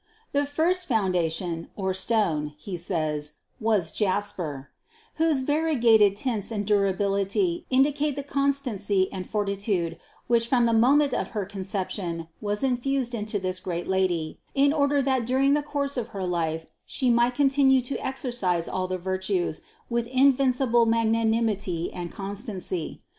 285. "The first foundation," or stone, he says, "was jasper," whose variegated tints and durability indicate the constancy and fortitude, which from the moment of her Conception was infused into this great Lady in 17 234 CITY OF GOD order that during the course of her life She might con tinue to exercise all the virtues with invincible magnan imity and constancy.